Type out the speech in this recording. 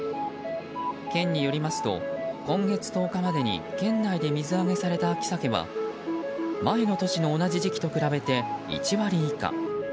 県によりますと今月１０日までに県内で水揚げされた秋サケは、前の年の同じ時期と比べて１割以下。